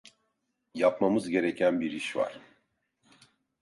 Yapmamız gereken bir iş var.